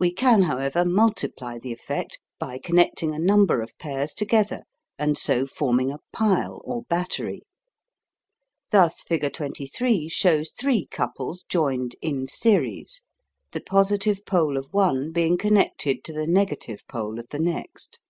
We can, however, multiply the effect by connecting a number of pairs together, and so forming a pile or battery. Thus figure 23 shows three couples joined "in series," the positive pole of one being connected to the negative pole of the next.